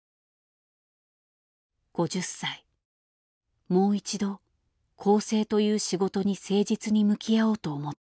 ５０歳もう一度校正という仕事に誠実に向き合おうと思った。